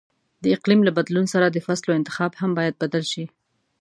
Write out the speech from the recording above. د اقلیم له بدلون سره د فصلو انتخاب هم باید بدل شي.